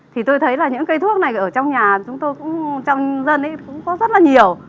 thì tôi thấy là những cây thuốc này ở trong nhà chúng tôi cũng trong dân ấy cũng có rất là nhiều